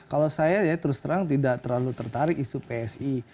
kalau saya ya terus terang tidak terlalu tertarik isu psi